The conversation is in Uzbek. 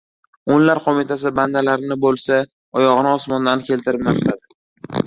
O‘nlar qo‘mitasi bandalarini bo‘lsa, oyog‘ini osmondan keltirib maqtadi.